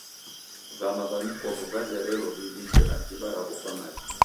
Vama va mikopo vazerelo viw'ike akiba ra'wo kwa mali.